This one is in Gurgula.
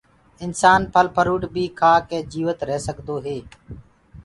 انسآن ڦل ڦروٽ بي کآڪي جيوت ريه سگدوئي